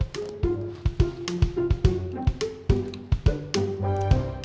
neng kamu mau ke taman